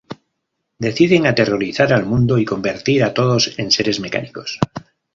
Deciden aterrorizar al mundo y convertir a todos en seres mecánicos.